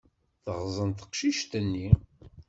Teɣẓen teqcict-nni.